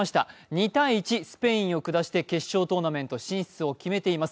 ２−１、スペインを下して決勝トーナメント進出を決めています。